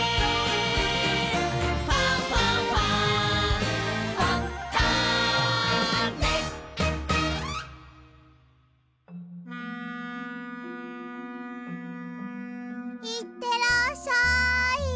「ファンファンファン」いってらっしゃい！